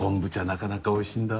なかなかおいしいんだ。